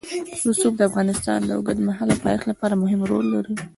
رسوب د افغانستان د اوږدمهاله پایښت لپاره مهم رول لري.